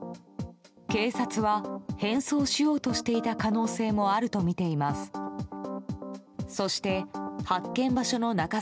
警察は、変装しようとしていた可能性もあるとみています。